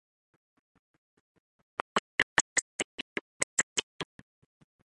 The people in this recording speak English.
Did master save you, Mrs. Dean?